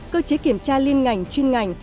cơ chế kiểm tra liên ngành chuyên ngành